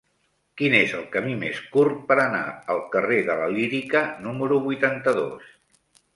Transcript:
Quin és el camí més curt per anar al carrer de la Lírica número vuitanta-dos?